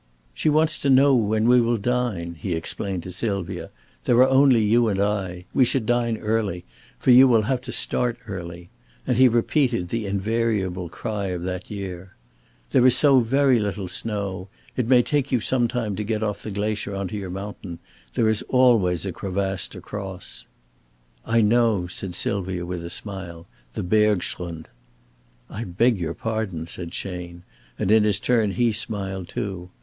"She wants to know when we will dine," he explained to Sylvia. "There are only you and I. We should dine early, for you will have to start early"; and he repeated the invariable cry of that year: "There is so very little snow. It may take you some time to get off the glacier on to your mountain. There is always a crevasse to cross." "I know," said Sylvia, with a smile. "The bergschrund." "I beg your pardon," said Chayne, and in his turn he smiled too.